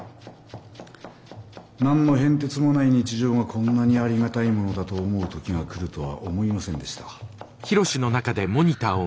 何の変哲もない日常がこんなにありがたいものだと思う時が来るとは思いませんでした。